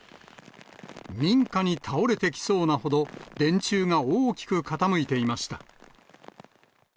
民家に倒れてきそうなほど、電柱が大きく傾いていました。